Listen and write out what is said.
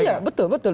iya betul betul